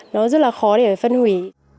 nó rất là khó để phân hủy